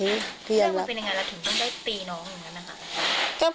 แล้วมันเป็นยังไงแล้วถึงต้องได้ตีน้องอย่างนั้นนะครับ